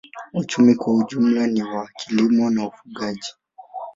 Uchumi kwa jumla ni wa kilimo na ufugaji.